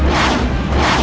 tidak ada gunanya